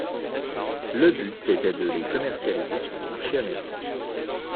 Le but était de les commercialiser sur le marché américain.